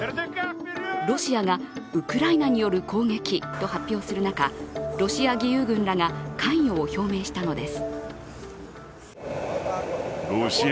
ロシアがウクライナによる攻撃と発表する中、ロシア義勇軍らが関与を表明したのです。